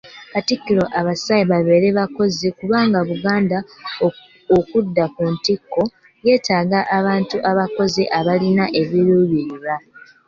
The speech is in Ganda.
Katikkiro abasabye babeere bakozi kubanga Buganda okudda ku ntikko yeetaaga abantu abakozi abalina ebiruubirirwa.